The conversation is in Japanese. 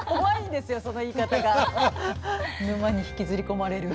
沼に引きずり込まれる。